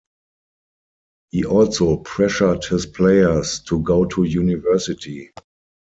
He also pressured his players to go to university.